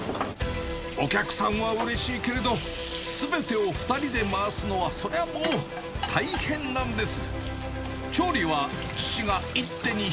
お客さんはうれしいけれど、すべてを２人で回すのはそりゃもう、大変なんです。